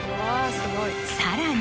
さらに。